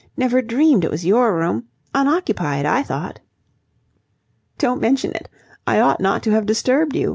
Never dreamed it was your room. Unoccupied, I thought." "Don't mention it. I ought not to have disturbed you.